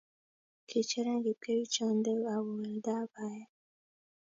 Kicheran kipkerichonde awo weldab baet